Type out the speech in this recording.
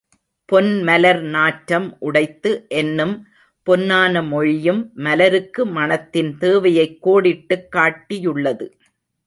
பொன்மலர் நாற்றம் உடைத்து என்னும் பொன்னான மொழியும் மலருக்கு மணத்தின் தேவையைக் கோடிட்டுக் காட்டியுள்ளது.